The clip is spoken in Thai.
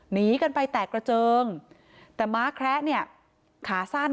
หนีกันไปแตกกระเจิงแต่ม้าแคระเนี่ยขาสั้น